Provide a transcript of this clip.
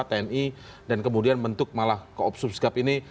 tni dan kemudian bentuk malah koopsubskap ini